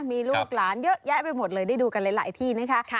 มีลูกหลานเยอะแยะไปหมดเลยได้ดูกันหลายที่นะคะ